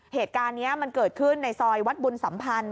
เหตุการณ์นี้มันเกิดขึ้นในซอยวัดบุญสัมพันธ์